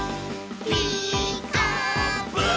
「ピーカーブ！」